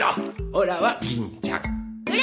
オラは銀ちゃん。